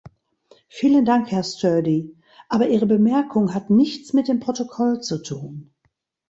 Vielen Dank, Herr Sturdy, aber Ihre Bemerkung hat nichts mit dem Protokoll zu tun.